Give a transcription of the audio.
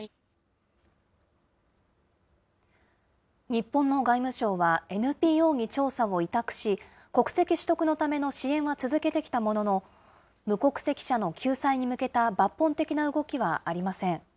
日本の外務省はＮＰＯに調査を委託し、国籍取得のための支援は続けてきたものの、無国籍者の救済に向けた抜本的な動きはありません。